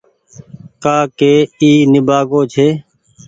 ڪآ ڪي اي نيبآگو ڇي